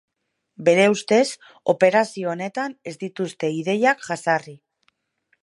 Bere ustez, operazio honetan ez dituzte ideiak jazarri.